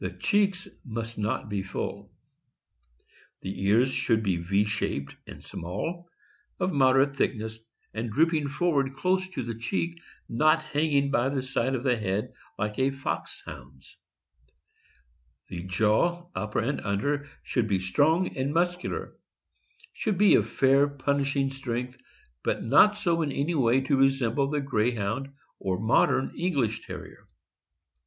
The clieeks must not be full. THE SMOOTH COATED FOX TERRIER. 379 The ears should be V shaped and small, of moderate thickness, and drooping forward close to the cheek, not hanging by the side of the head like a Foxhound's. The /aw, upper and under, should be strong and muscu lar; should be of fair punishing strength, but not so in any way to resemble the Greyhound or modern English Terrier.